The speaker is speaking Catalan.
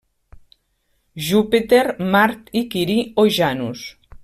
Júpiter, Mart i Quirí o Janus.